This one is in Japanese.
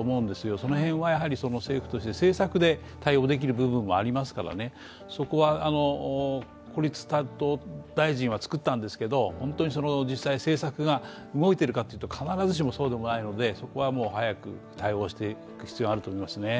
その辺は政府として政策で対応できる部分もありますからそこは孤立担当大臣は作ったんですけど本当に実際に政策が動いているかというと、必ずしもそうではないので、そこは早く対応していく必要があると思いますね。